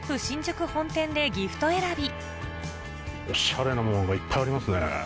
新宿本店でギフト選びおしゃれなものがいっぱいありますね。